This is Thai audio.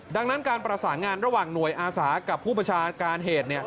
ดังนั้นการประสานงานระหว่างหน่วยอาสากับผู้บัญชาการเหตุ